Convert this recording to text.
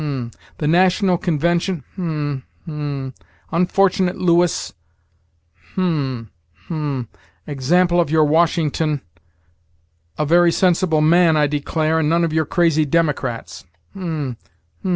'The national convention' hum, hum 'unfortunate Louis' hum, hum 'example of your Washington' a very sensible man, I declare, and none of your crazy democrats.